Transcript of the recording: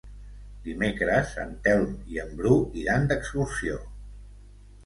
Dimecres en Telm i en Bru iran d'excursió.